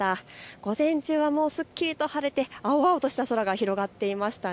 午前中はすっきりと晴れて青々とした空が広がっていました。